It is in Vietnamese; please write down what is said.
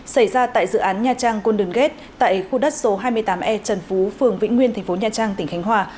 xảy ra tại dự án nha trang côn đường ghét tại khu đất số hai mươi tám e trần phú phường vĩnh nguyên thành phố nha trang tỉnh khánh hòa